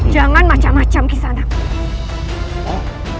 jangan macam macam kisam